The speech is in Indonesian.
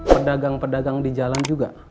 pedagang pedagang di jalan juga